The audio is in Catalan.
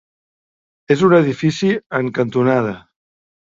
És un edifici en cantonada.